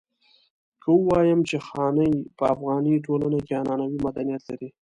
که ووايم چې خاني په افغاني ټولنه کې عنعنوي مدنيت لري.